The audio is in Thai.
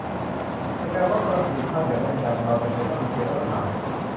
ในการวัดประสิทธิภาพอย่างแม่นยำเราจำเป็นต้องมีเกณฑ์มาตรฐาน